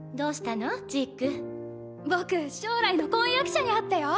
どう僕将来の婚約者に会ったよ